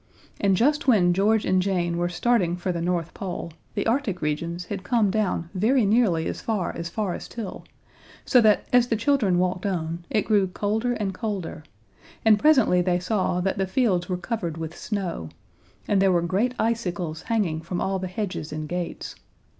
And just when George and Jane were starting for the North Pole, the Arctic regions had come down very nearly as far as Forest Hill, so that, as the children walked on, it grew colder and colder, and presently they saw that the fields were covered with snow, and there were great icicles hanging from all the hedges and gates.